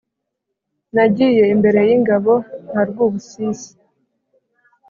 Nagiye imbere yingabo na Rwubusisi